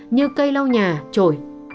như cây lau nhà trồi